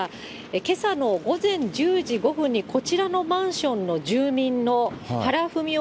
けさの午前１０時５分にこちらのマンションの住民のはらふみお